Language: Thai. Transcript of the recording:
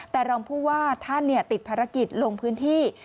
แต่รองผู้ว่าท่านติดภารกิจลงพื้นที่